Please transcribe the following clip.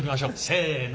せの。